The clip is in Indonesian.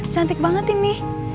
cantik banget ini